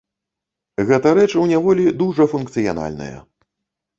Гэта рэч у няволі дужа функцыянальная.